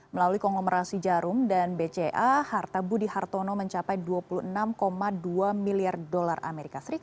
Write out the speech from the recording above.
melalui konglomerasi jarum dan bca harta budi hartono mencapai dua puluh enam dua miliar dolar as